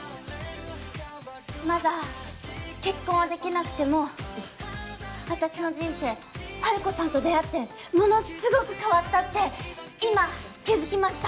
まだ結婚はできなくてもあたしの人生ハルコさんと出会ってものすごく変わったって今気付きました。